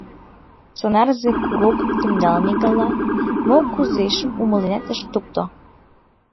Сонарзе курокым темдалме гала — мо-кузежым умыленат ыш тукто.